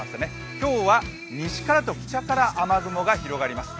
今日は西からと北から雨雲が広がります。